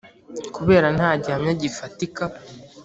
kubera nta gihamya gifatika.